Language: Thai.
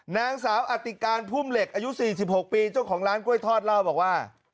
นางสาวอติการพุ่มเหล็กอายุ๔๖ปีเจ้าของร้านกล้วยทอดเล่าบอกว่า